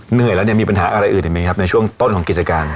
เหนื่อยแล้วเนี่ยมีปัญหาอะไรอื่นอีกไหมครับในช่วงต้นของกิจการ